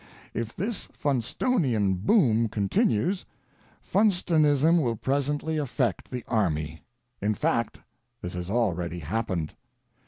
If this Funstonian boom continues, Funstonism will presently affect the army. In fact, this has already happened.